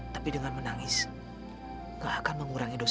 tapi dengan menangis